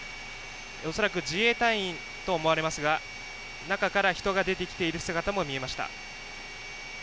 恐らく自衛隊員と思われますが中から人が出てきている姿も見えました。